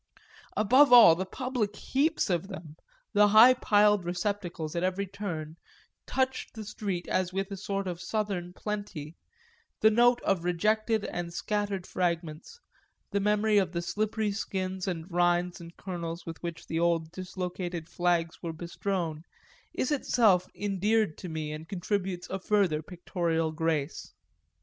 Above all the public heaps of them, the high piled receptacles at every turn, touched the street as with a sort of southern plenty; the note of the rejected and scattered fragments, the memory of the slippery skins and rinds and kernels with which the old dislocated flags were bestrown, is itself endeared to me and contributes a further pictorial grace.